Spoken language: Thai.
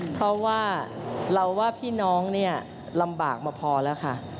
เพราะว่าเราว่าพี่น้องเนี่ยลำบากมาพอแล้วค่ะ